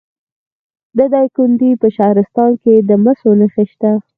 د دایکنډي په شهرستان کې د مسو نښې شته.